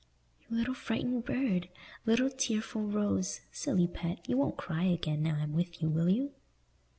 "You little frightened bird! Little tearful rose! Silly pet! You won't cry again, now I'm with you, will you?"